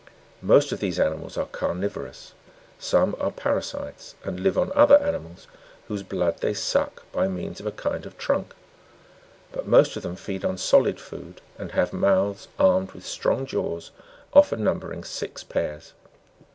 7. Most of these animals are carnivorous ; some are parasites, and live on other animals, whose blood they suck by means of a kind of trunk ; but most of them feed on solid food, and have mouths armed with strong jaws, often numbering six pairs.